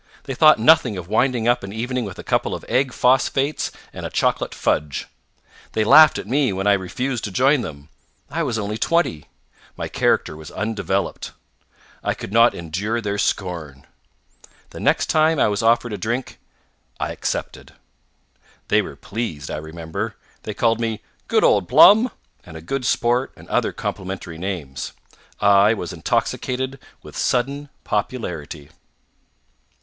They thought nothing of winding up an evening with a couple of egg phosphates and a chocolate fudge. They laughed at me when I refused to join them. I was only twenty. My character was undeveloped. I could not endure their scorn. The next time I was offered a drink I accepted. They were pleased, I remember. They called me "Good old Plum!" and a good sport and other complimentary names. I was intoxicated with sudden popularity.